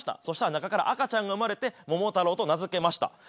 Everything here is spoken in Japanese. そしたら中から赤ちゃんが生まれて桃太郎と名付けました。